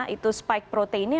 itu spike proteinnya